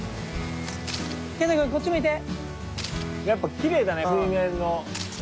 やっぱきれいだね。